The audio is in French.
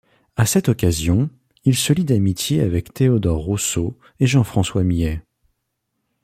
À cette occasion, il se lie d'amitié avec Théodore Rousseau et Jean-François Millet.